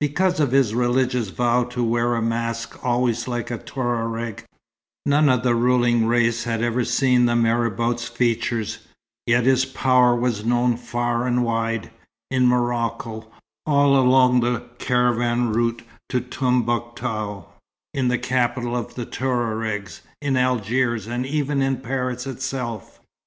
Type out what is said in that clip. Because of his religious vow to wear a mask always like a Touareg, none of the ruling race had ever seen the marabout's features, yet his power was known far and wide in Morocco; all along the caravan route to Tombouctou; in the capital of the Touaregs; in Algiers; and even in Paris itself.